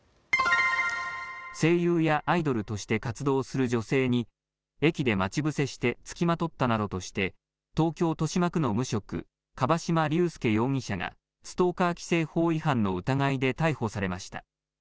声優やアイドルとして活動する女性に駅で待ち伏せして付きまとったなどとして東京豊島区の無職、樺島隆介容疑者がストーカー規制法違反の疑いで逮捕されました。